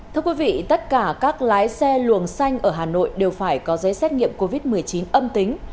thưa quý vị tất cả các lái xe luồng xanh ở hà nội đều phải có giấy xét nghiệm covid một mươi chín âm tính